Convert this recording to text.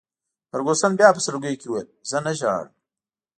فرګوسن بیا په سلګیو کي وویل: زه نه ژاړم.